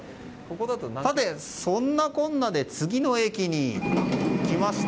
さて、そんなこんなで次の駅に来ました。